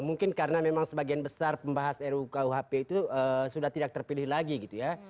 mungkin karena memang sebagian besar pembahas rukuhp itu sudah tidak terpilih lagi gitu ya